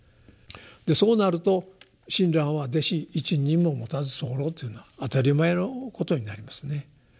でそうなると「親鸞は弟子一人ももたずさふらふ」というのは当たり前のことになりますね。